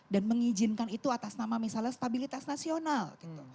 dan mengizinkan itu atas nama misalnya stabilitas nasional